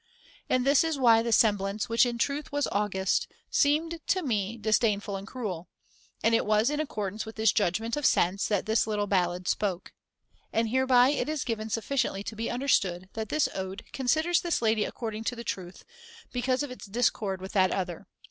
And this is why the semblance, which in truth was august, X. THE THIRD TREATISE 193 seemed to me ' disdainful and cruel '; and it was Eyes not in accordance with this judgment of sense that ^°^® this little ballad spoke. And hereby it is given ^^*^*P® sufficiently to be understood that this [^303 ode considers this lady according to the truth, because of its discord with that other.